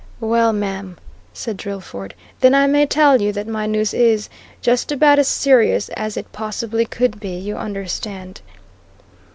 "Well, ma'am," said Drillford, "then I may tell you that my news is just about as serious as it possibly could be, you understand."